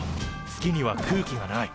月には空気がない。